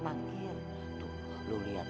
tuh lo liat deh